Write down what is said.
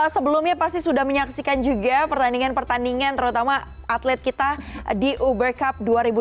sebelumnya pasti sudah menyaksikan juga pertandingan pertandingan terutama atlet kita di uber cup dua ribu dua puluh